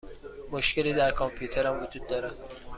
مشکلی در کامپیوترم وجود دارد.